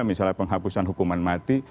misalnya penghapusan hukuman mati